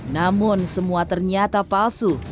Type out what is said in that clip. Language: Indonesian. namun semua ternyata palsu